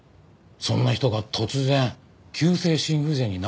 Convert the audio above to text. そんな人が突然急性心不全になるでしょうか？